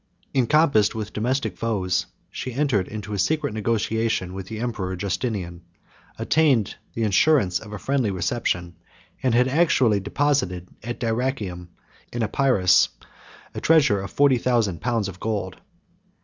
Encompassed with domestic foes, she entered into a secret negotiation with the emperor Justinian; obtained the assurance of a friendly reception, and had actually deposited at Dyrachium, in Epirus, a treasure of forty thousand pounds of gold.